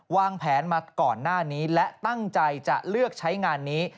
วางแผนมาก่อนหน้านี้และตั้งใจจะเลือกใช้งานนี้